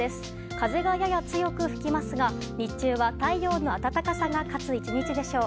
風が、やや強く吹きますが日中は太陽の暖かさが勝つ１日でしょう。